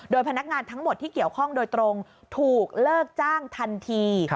พนักงานทั้งหมดที่เกี่ยวข้องโดยตรงถูกเลิกจ้างทันที